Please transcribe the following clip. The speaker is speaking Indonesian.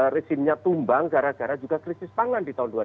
resimnya tumbang gara gara juga krisis pangan di tahun dua ribu sebelas